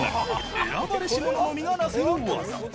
選ばれし者のみがなせる技。